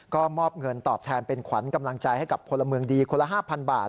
ก็มอบเงินตอบแทนเป็นขวัญกำลังใจให้กับพลเมืองดีคนละ๕๐๐บาท